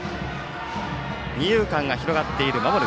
二遊間が広がっている守る